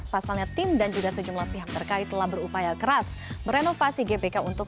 pasalnya tim dan juga sejumlah pihak terkait telah berupaya keras merenovasi gbk untuk